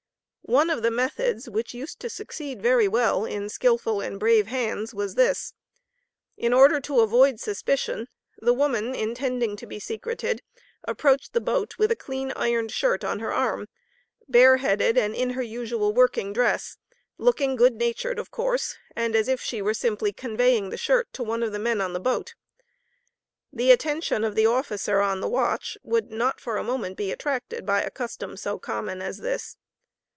One of the methods, which used to succeed very well, in skillful and brave hands, was this: In order to avoid suspicion, the woman intending to be secreted, approached the boat with a clean ironed shirt on her arm, bare headed and in her usual working dress, looking good natured of course, and as if she were simply conveying the shirt to one of the men on the boat. The attention of the officer on the watch would not for a moment be attracted by a custom so common as this.